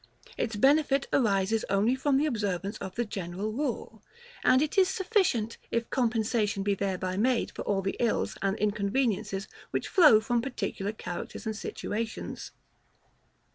Its benefit arises only from the observance of the general rule; and it is sufficient, if compensation be thereby made for all the ills and inconveniences which flow from particular characters and situations.